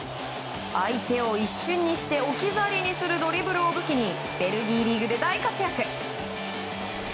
相手を一瞬にして置き去りにするドリブルを武器にベルギーリーグで大活躍。